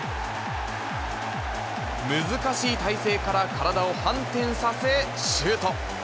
難しい体勢から、体を反転させシュート。